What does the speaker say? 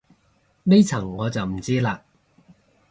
呢層我就唔知嘞